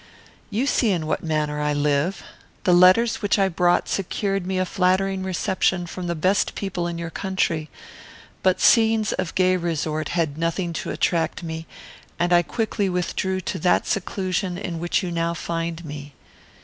"You see in what manner I live. The letters which I brought secured me a flattering reception from the best people in your country; but scenes of gay resort had nothing to attract me, and I quickly withdrew to that seclusion in which you now find me.